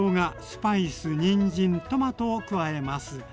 スパイスにんじんトマトを加えます。